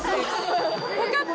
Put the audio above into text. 分かった？